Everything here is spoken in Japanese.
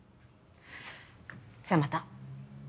じゃあまた。